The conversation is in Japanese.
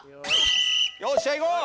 よっしゃいこう！